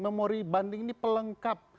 memori banding ini pelengkap